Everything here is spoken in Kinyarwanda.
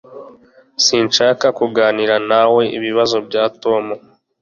Sinshaka kuganira nawe ibibazo bya Tom